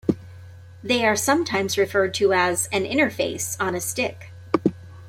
They are sometimes referred to as an "interface-on-a-stick".